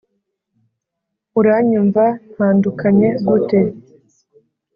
uranyumva ntandukanye gute